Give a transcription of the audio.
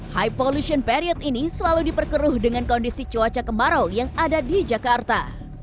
high polusion period ini selalu diperkeruh dengan kondisi cuaca kemarau yang ada di jakarta